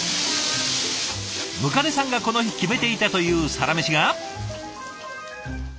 百足さんがこの日決めていたというサラメシが。